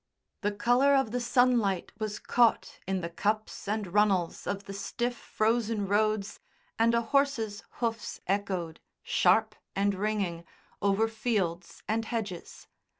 The colour of the sunlight was caught in the cups and runnels of the stiff frozen roads and a horse's hoofs echoed, sharp and ringing, over fields and hedges.